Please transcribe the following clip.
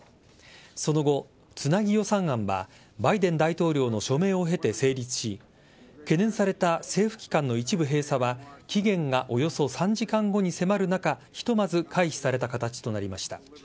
その後、つなぎ予算案はバイデン大統領の署名を経て成立し懸念された政府機関の一部閉鎖は期限がおよそ３時間後に迫る中ひとまず回避された形となりました。